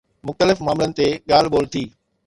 مختلف معاملن تي ڳالهه ٻولهه ٿي.